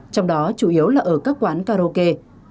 trong đó chủ yếu là ở các quán karaoke